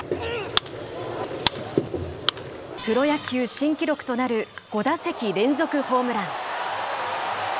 プロ野球新記録となる５打席連続ホームラン。